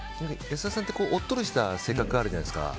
安田さんっておっとりした性格があるじゃないですか。